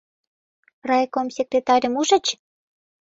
Райком секретарьым ужыч?